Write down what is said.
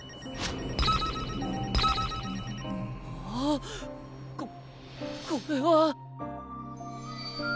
ああここれは。